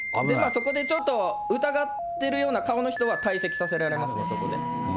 そこでちょっと疑ってるような顔の人は退席させられますね、そこで。